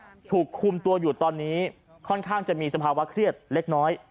ถูกคุมตัวอยู่ตอนนี้ค่อนข้างจะมีสภาวะเครียดเล็กน้อย